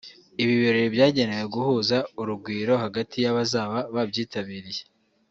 Ibi birori byagenewe guhuza urugwiro hagati y’abazaba babyitabiriye